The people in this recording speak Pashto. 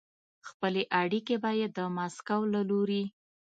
خپلې اړیکې به یې د مسکو له لوري